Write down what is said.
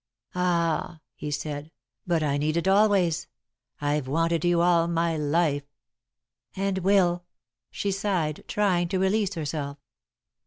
"Ah," he said, "but I need it always. I've wanted you all my life." "And will," she sighed, trying to release herself.